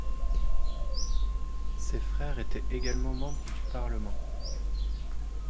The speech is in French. Ses frères étaient également membres du parlement.